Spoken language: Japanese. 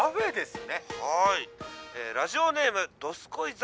「はいえラジオネームどすこい侍」。